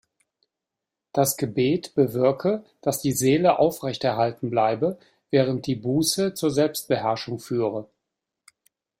Das Gebet bewirke, dass die Seele aufrechterhalten bleibe, während die Buße zur Selbstbeherrschung führe.